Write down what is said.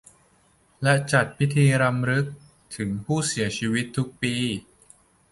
และจัดพิธีรำลึกถึงผู้เสียชีวิตทุกปี